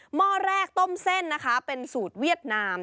ห้อแรกต้มเส้นนะคะเป็นสูตรเวียดนาม